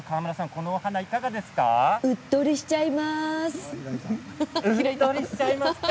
このお花いかがですか？